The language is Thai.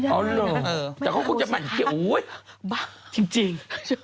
ไม่ได้เลยเหรอแต่เขาคงจะบรรยากาศยังไงโอ๊ยบ้าจริง